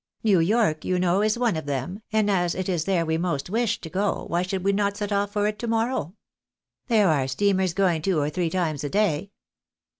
New York, you know, is one of them, and as THE BILL OF FARE. 251 it is there we most wish to go, why should we not set off for it to morrow? There are steamers going two or three times a day."